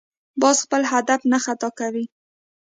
باز خپل هدف نه خطا کوي